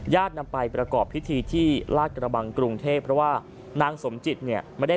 นำไปประกอบพิธีที่ลาดกระบังกรุงเทพเพราะว่านางสมจิตเนี่ยไม่ได้